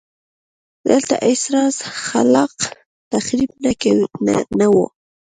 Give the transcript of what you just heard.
دلته هېڅ راز خلاق تخریب نه و.